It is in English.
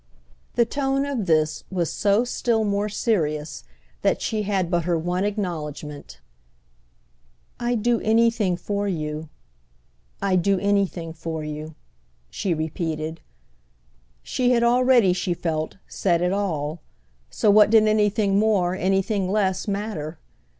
The tone of this was so still more serious that she had but her one acknowledgement. "I'd do anything for you—I'd do anything for you," she repeated. She had already, she felt, said it all; so what did anything more, anything less, matter?